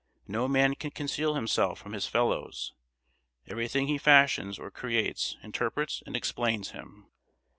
No man can conceal himself from his fellows; everything he fashions or creates interprets and explains him.